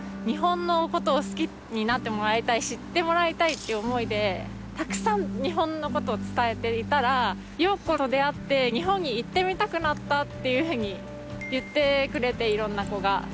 日本のことを好きになってもらいたい知ってもらいたいっていう思いでたくさん日本のことを伝えていたら「陽子と出会って日本に行ってみたくなった」っていうふうに言ってくれていろんな子が。